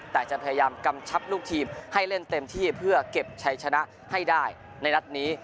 แต่จะพยายามกำชับลูกทีมให้เล่นเต็มที่เพื่อเก็บชัยชนะให้ได้ในนัดนี้